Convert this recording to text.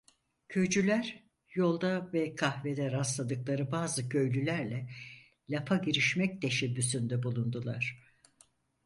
Köycüler yolda ve kahvede rastladıkları bazı köylülerle lafa girişmek teşebbüsünde bulundular.